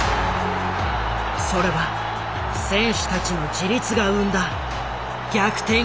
それは選手たちの自立が生んだ逆転劇だった。